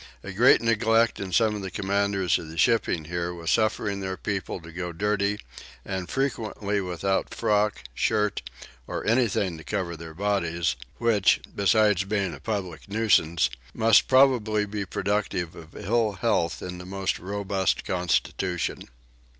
A great neglect in some of the commanders of the shipping here was suffering their people to go dirty and frequently without frock, shirt, or anything to cover their bodies, which, besides being a public nuisance, must probably be productive of ill health in the most robust constitution.